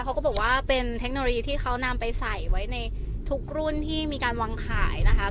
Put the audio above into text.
เขาก็บอกว่าเป็นเทคโนโลยีที่เขานำไปใส่ไว้ในทุกรุ่นที่มีการวางขายนะคะ